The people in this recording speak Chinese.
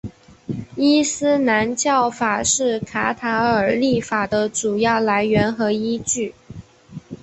伊斯兰教法是卡塔尔立法的主要来源和依据。